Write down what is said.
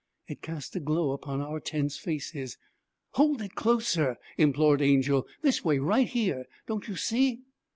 It cast a glow upon our tense faces. 'Hold it closer!' implored Angel. 'This way right here don't you see?'